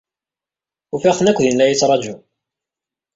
Ufiɣ-ten akk din la iyi-ttṛajun.